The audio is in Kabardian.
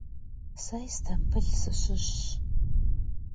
Se Yistambıl sışışş.